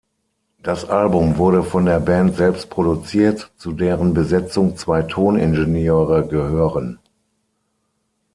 Das Album wurde von der Band selbst produziert, zu deren Besetzung zwei Toningenieure gehören.